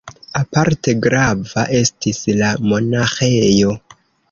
Aparte grava estis la monaĥejo.